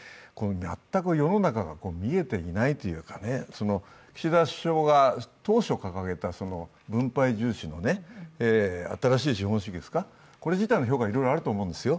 全く世の中が見えていないというか、岸田首相から当初掲げていた分配重視の新しい資本主義、これ自体の評価はいろいろあると思うんですよ。